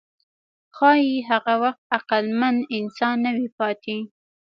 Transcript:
ښایي هغه وخت عقلمن انسان نه وي پاتې.